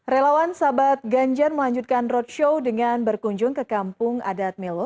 relawan sahabat ganjar melanjutkan roadshow dengan berkunjung ke kampung adat melo